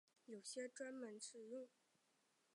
有些专门食用紫芽苜蓿干草的莞菁可能具有危险性。